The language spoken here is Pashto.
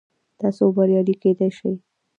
تاسو بریالي کیدی شئ